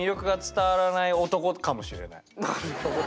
なるほど。